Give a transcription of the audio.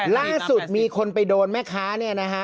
ล่าสุดมีคนไปโดนแม่ค้าเนี่ยนะฮะ